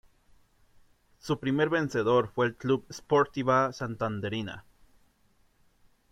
Su primer vencedor fue el club Sportiva Santanderina.